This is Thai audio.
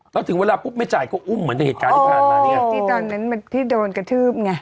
แล้วถึงเวลาปุ๊บไม่จ่ายก็อุ้มเหมือนในเหตุการณ์ที่ผ่านมาเนี่ยที่ตอนนั้นมันที่โดนกระทืบไง